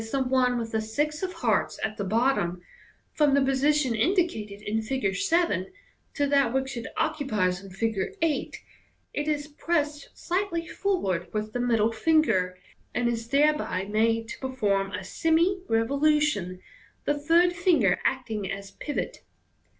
the one with the six of hearts at the bottom) from the position indicated in Fig. 7 to that which it occu pies in Fig. 8, it is pressed slightly forward with the middle finger, ard is thereby made to perform a semi revolution, the third finger MODERN MAGIC. 19 acting as pivot.